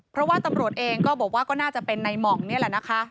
เพราะว่าตำรวจเองก็บอกว่าก็น่าจะเป็นในหม่องนี่แหละนะคะ